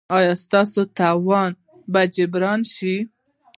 ایا ستاسو تاوان به جبران شي؟